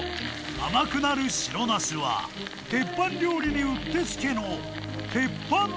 甘くなる白ナスは鉄板料理にうってつけのテッパン